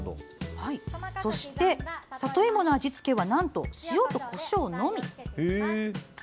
そしてさといもの味付けはなんと塩とこしょうのみ。